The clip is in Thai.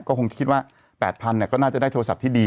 ก็คงคิดว่า๘๐๐ก็น่าจะได้โทรศัพท์ที่ดี